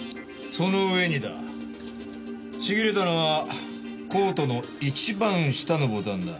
その上にだちぎれたのはコートの一番下のボタンだ。